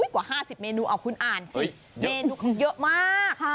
กว่า๕๐เมนูเอาคุณอ่านสิเมนูเขาเยอะมาก